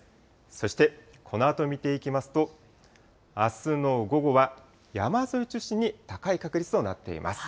そしてこのあと見ていきますと、あすの午後は、山沿いを中心に高い確率となっています。